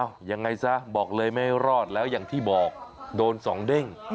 ยังไงซะบอกเลยไม่รอดแล้วอย่างที่บอกโดนสองเด้ง